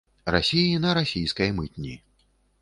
Расіі на расійскай мытні.